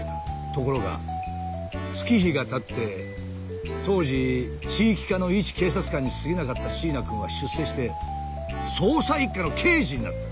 ところが月日が経って当時地域課のいち警察官に過ぎなかった椎名くんは出世して捜査一課の刑事になった。